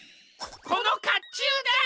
このかっちゅうじゃ！